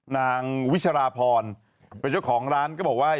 นางวิชราพรเป็นเจ้าของร้านก็บอกว่า